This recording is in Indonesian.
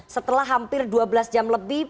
setelah hampir dua belas jam lebih